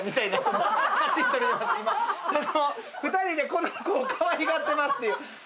２人でこの子をかわいがってますっていう。